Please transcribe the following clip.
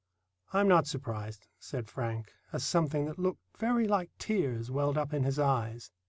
"I'm not surprised," said Frank, as something that looked very like tears welled up in his eyes.